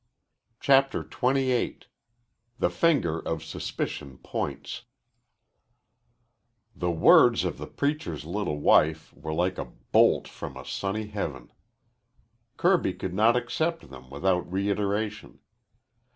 CHAPTER XXVIII THE FINGER OF SUSPICION POINTS The words of the preacher's little wife were like a bolt from a sunny heaven. Kirby could not accept them without reiteration.